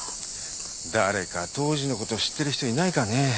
誰か当時のこと知ってる人いないかね。